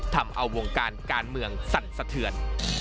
ทำเอาวงการการเมืองสั่นสะเทือน